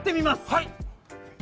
はい。